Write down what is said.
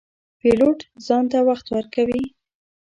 پیلوټ ځان ته وخت ورکوي.